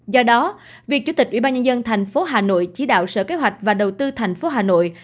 do đó việc chủ tịch ubnd thành phố hà nội chỉ đạo sở kế hoạch và đầu tư thành phố hà nội